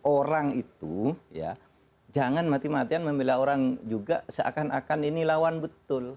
orang itu ya jangan mati matian membela orang juga seakan akan ini lawan betul